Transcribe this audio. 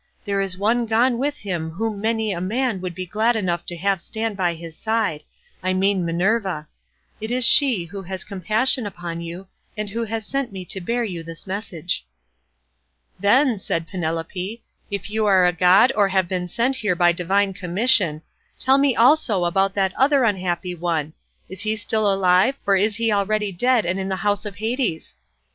There is one gone with him whom many a man would be glad enough to have stand by his side, I mean Minerva; it is she who has compassion upon you, and who has sent me to bear you this message." "Then," said Penelope, "if you are a god or have been sent here by divine commission, tell me also about that other unhappy one—is he still alive, or is he already dead and in the house of Hades?"